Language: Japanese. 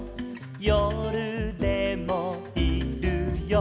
「よるでもいるよ」